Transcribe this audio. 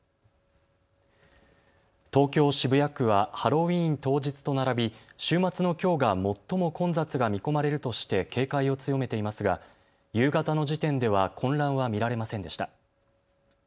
東京渋谷区はハロウィーン当日と並び、週末のきょうが最も混雑が見込まれるとして警戒を強めていますが夕方の時点では混乱は見られませんでした。